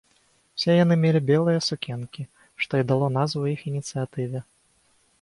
Усе яны мелі белыя сукенкі, што і дало назву іх ініцыятыве.